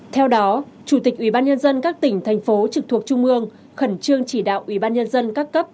theo đó chủ tịch ubnd các tỉnh thành phố trực thuộc trung mương khẩn trương chỉ đạo ubnd các cấp